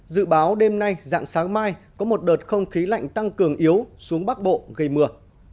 dự báo đêm nay dạng sáng mai có một đợt không khí lạnh tăng cường yếu xuống bắc bộ gây mưa